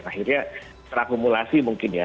akhirnya terakumulasi mungkin ya